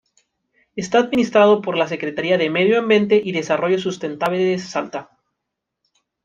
Está administrado por la Secretaría de Medio Ambiente y Desarrollo Sustentable de Salta.